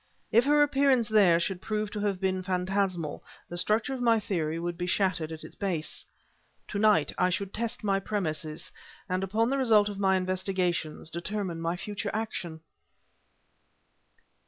If her appearance there should prove to have been phantasmal, the structure of my theory would be shattered at its base. To night I should test my premises, and upon the result of my investigations determine my future action.